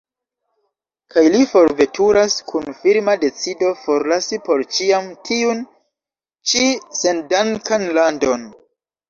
Kaj li forveturas, kun firma decido forlasi por ĉiam tiun ĉi sendankan landon.